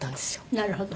なるほど。